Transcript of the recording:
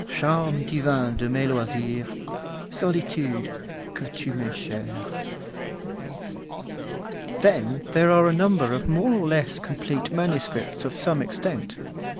Charme divin de mes loisirs, Solitude! que tu mes chere! Then there are a number of more or less complete manuscripts of some extent.